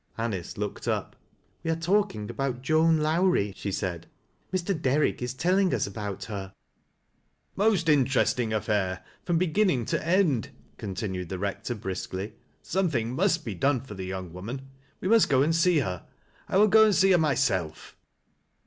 Anice looked up. " We are talking about Joan Lowrie," she said. " Mr [>3?rick is telling us about her." " Most interesting affair — from beginning to end," continued the Eector, briskly. " Something must be done for the young woman We must go and see her, — I will go and see her myself."